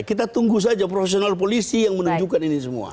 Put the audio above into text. kita tunggu saja profesional polisi yang menunjukkan ini semua